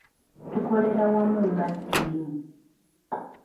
Tukolera wamu nga ttiimu.